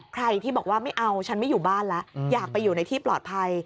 ใครที่บอกว่าไม่เอาฉันไม่อยู่บ้านแล้วอยากไปอยู่ในที่ปลอดภัย